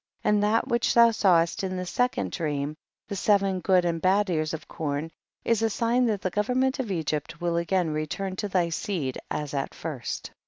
19. And that which thou sawest in the second dream, of seven good and bad ears of corn, is a sign that the government of Egypt will again return to thy seed as at first.